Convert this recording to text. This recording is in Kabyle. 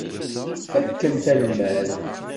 Fakkemt almad.